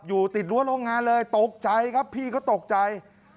อยู่ติดรั้วโรงงานเลยตกใจครับพี่ก็ตกใจ